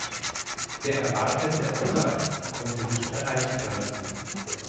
Der erwartete Absatz konnte nicht erreicht werden.